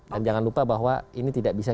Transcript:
dan jangan lupa bahwa ini tidak bisa